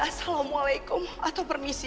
assalamualaikum atau permisi